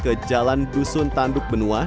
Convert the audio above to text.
ke jalan dusun tanduk benua